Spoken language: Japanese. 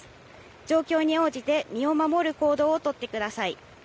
状況に応じて身を守る行動をとってください。